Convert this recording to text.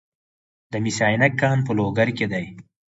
د مس عینک کان په لوګر کې دی